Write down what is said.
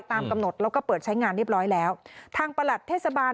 ตามกำหนดแล้วก็เปิดใช้งานเรียบร้อยแล้วทางประหลัดเทศบาล